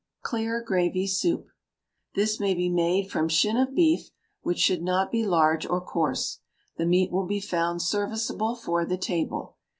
Clear Gravy Soup This may be made from shin of beef, which should not be large or coarse. The meat will be found serviceable for the table.